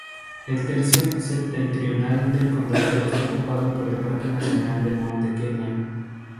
El tercio septentrional del condado está ocupado por el parque nacional del Monte Kenia.